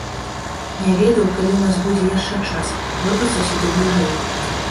Не ведаю, калі ў нас будзе яшчэ час, вырвацца сюды бліжэй.